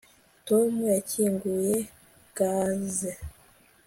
Tom yakinguye gaze